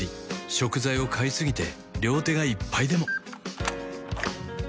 食材を買いすぎて両手がいっぱいでも